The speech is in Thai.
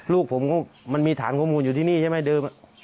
ลูกผมก็มันมีฐานข้อมูลอยู่ที่นี่ใช่ไหมเดิม